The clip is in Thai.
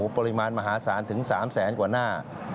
ปริมาณมหาศาลถึง๓แสนกว่าหน้า